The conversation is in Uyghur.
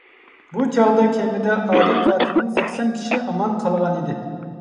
بۇ چاغدا كېمىدە ئادەم زاتىدىن سەكسەن كىشى ئامان قالغانىدى.